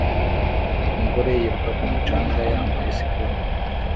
Umugore yiruka ku mucanga yambaye siporo